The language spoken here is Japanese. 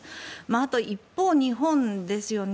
あと一方、日本ですよね。